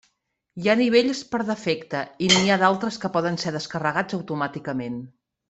Hi ha nivells per defecte, i n'hi ha d'altres que poden ser descarregats automàticament.